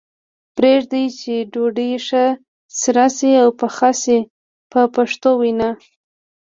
پرېږدي یې چې ډوډۍ ښه سره شي او پخه شي په پښتو وینا.